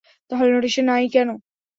তাহলে নোটিশ এ নাই কেনো?